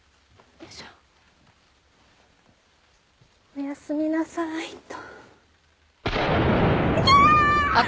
おやすみなさいっと。